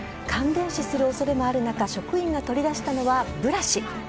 感電死するおそれもある中、職員が取り出したのはブラシ。